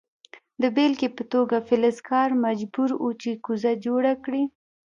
د بیلګې په توګه فلزکار مجبور و چې کوزه جوړه کړي.